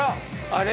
あれ？